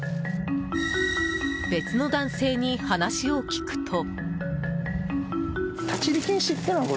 別の男性に話を聞くと。